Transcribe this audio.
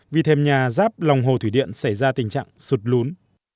vì thêm nhà giáp lòng hồ thủy điện xảy ra tình trạng sụt lún